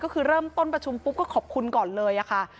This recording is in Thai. ก็คือเริ่มต้นประชุมปุ๊บก็ขอบคุณก่อนเลยค่ะ